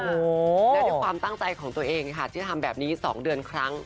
แล้วด้วยความตั้งใจของตัวเองค่ะที่ทำแบบนี้๒เดือนครั้ง